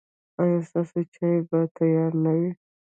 ایا ستاسو چای به تیار نه وي؟